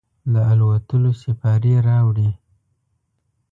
د الوتلوسیپارې راوړي